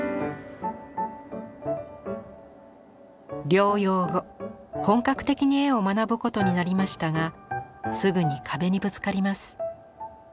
療養後本格的に絵を学ぶことになりましたがすぐに壁にぶつかります。